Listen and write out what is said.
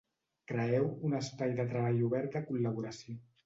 Creeu un espai de treball obert de col·laboració